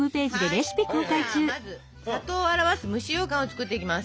じゃあまず「里」を表す蒸しようかんを作っていきます！